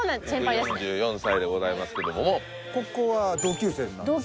４４歳でございますけれどもここは同級生になんですね